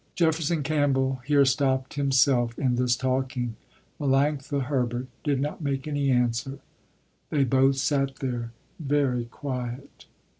Jefferson Campbell here stopped himself in this talking. Melanctha Herbert did not make any answer. They both sat there very quiet.